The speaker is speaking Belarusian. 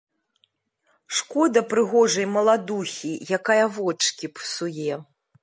Шкода прыгожай маладухі, якая вочкі псуе.